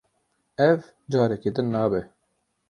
Ev, careke din nabe.